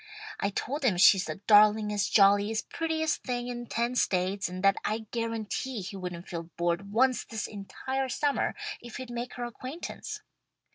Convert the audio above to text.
I told him she's the darlingest, jolliest, prettiest thing in ten states, and that I'd guarantee he wouldn't feel bored once this entire summer if he'd make her acquaintance.